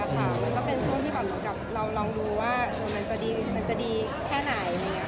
มันก็เป็นช่วงที่แบบเหมือนกับเราลองดูว่ามันจะดีแค่ไหน